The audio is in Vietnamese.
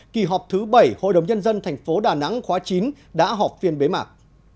kỳ họp thứ bảy hội đồng nhân dân tp đà nẵng khóa chín đã họp phiên bế mạc